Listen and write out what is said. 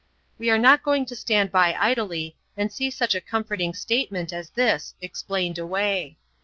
We are not going to stand by idly and see such a comforting statement as this explained away.